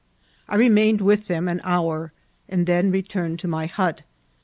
I remained with them an hour, and then returned to my hut.